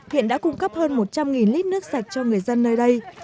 hiện đã cung cấp hơn một trăm linh lít nước sạch cho người dân nơi đây